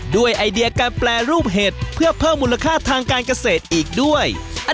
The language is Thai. ไอเดียการแปรรูปเห็ดเพื่อเพิ่มมูลค่าทางการเกษตรอีกด้วย